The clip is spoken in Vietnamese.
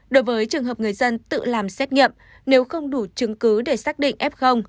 đối với trường hợp người dân tự làm xét nghiệm nếu không đủ chứng cứ để xác định f